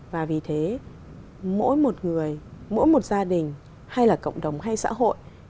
và vì thế mỗi một người mỗi một gia đình hay là cộng đồng hay xã hội